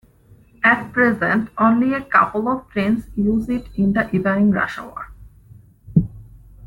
At present, only a couple of trains use it in the evening rush hour.